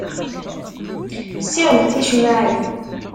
Ssiɣemt ticemmaɛin.